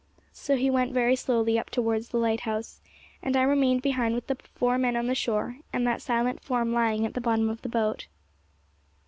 So he went very slowly up towards the lighthouse, and I remained behind with the four men on the shore, and that silent form lying at the bottom of the boat.